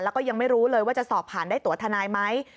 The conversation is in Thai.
แล้วก็ยังไม่รู้เลยว่าจะสอบผ่านได้ตัวทนายไหม